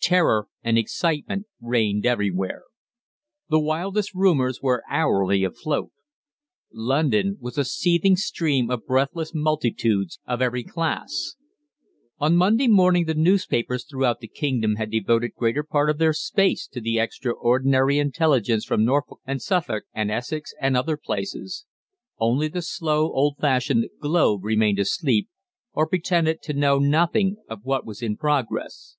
Terror and excitement reigned everywhere. The wildest rumours were hourly afloat. London was a seething stream of breathless multitudes of every class. On Monday morning the newspapers throughout the kingdom had devoted greater part of their space to the extraordinary intelligence from Norfolk and Suffolk, and Essex, and other places. Only the slow, old fashioned "Globe" remained asleep, or pretended to know nothing of what was in progress.